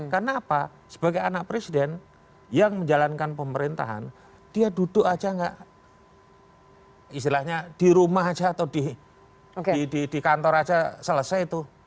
karena apa sebagai anak presiden yang menjalankan pemerintahan dia duduk aja gak istilahnya di rumah aja atau di kantor aja selesai itu